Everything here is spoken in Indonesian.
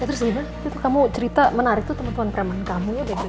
terus gimana itu kamu cerita menarik tuh teman teman preman kamu bagaimana